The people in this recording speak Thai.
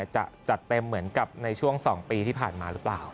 จะจัดเต็มเหมือนกับในช่วง๒ปีที่ผ่านมาหรือเปล่า